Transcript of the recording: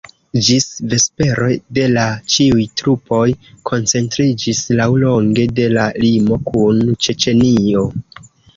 Ĝis vespero de la ĉiuj trupoj koncentriĝis laŭlonge de la limo kun Ĉeĉenio.